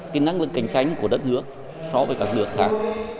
cái nặng là cảnh sánh của đất nước so với các nước khác